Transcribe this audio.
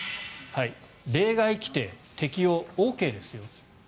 例外規定、適用ＯＫですよ。